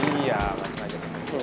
iya masuk aja